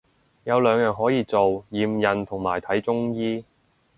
有兩樣可以做，驗孕同埋睇中醫